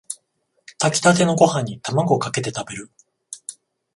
炊きたてのご飯にタマゴかけて食べる